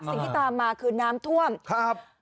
สิ่งที่ตามมาคือน้ำท่วมครับ